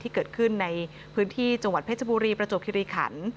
ที่เกิดขึ้นในพื้นที่จังหวัดเพชรบุรีประจวบคิริขัน